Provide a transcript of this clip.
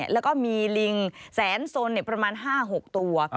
แล้วก็มีลิงแสนสนประมาณ๕๖ตัว